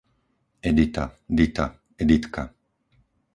Edita, Dita, Editka